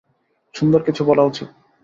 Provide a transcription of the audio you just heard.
সুন্দর কিছু বলা উচিত।